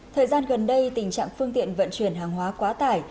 thời gian gần đây tình trạng phương tiện vận chuyển hàng hóa quá tải